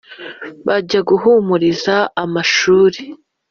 Bajya guhumuriza amashuri,